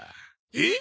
えっ？